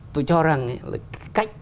tôi cho rằng là cách